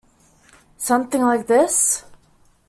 Something like this?